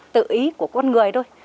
tự ý của con người thôi